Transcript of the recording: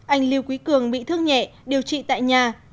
anh lưu quý cường bị thương nhẹ điều trị tại nhà